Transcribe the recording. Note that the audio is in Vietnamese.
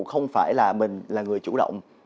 không phải là mình là người chủ động